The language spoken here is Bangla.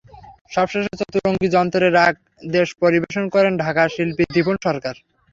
সবশেষে চতুরঙ্গী যন্ত্রে রাগ দেশ পরিবেশন করেন ঢাকার শিল্পী দীপন সরকার।